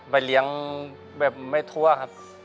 ไปเลี้ยงแบบไม่ทั่วครับ